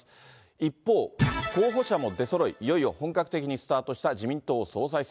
一方、候補者も出そろい、いよいよ本格的にスタートした自民党総裁選。